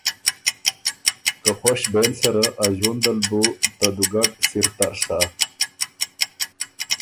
که خوش بېن سره، ا ݫوُندل بوُ ته دُوګډ سِر تر سۀ۔